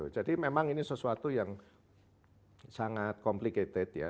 jadi memang ini sesuatu yang sangat complicated ya